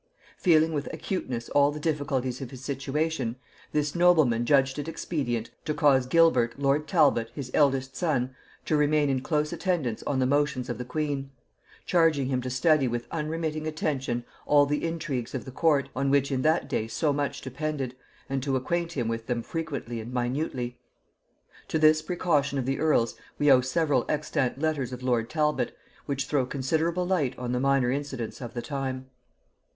Feeling with acuteness all the difficulties of his situation, this nobleman judged it expedient to cause Gilbert lord Talbot, his eldest son, to remain in close attendance on the motions of the queen; charging him to study with unremitting attention all the intrigues of the court, on which in that day so much depended, and to acquaint him with them frequently and minutely. To this precaution of the earl's we owe several extant letters of lord Talbot, which throw considerable light on the minor incidents of the time.